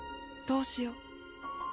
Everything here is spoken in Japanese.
どうしよう。